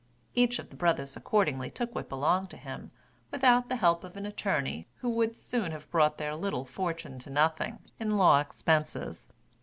Each of the brothers accordingly took what belonged to him, without the help of an attorney, who would soon have brought their little fortune to nothing, in law expenses.